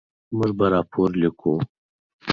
موږ به راپور لیکو.